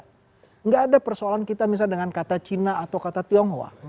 tidak ada persoalan kita misalnya dengan kata cina atau kata tionghoa